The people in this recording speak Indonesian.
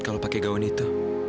kalau pakai gaun itu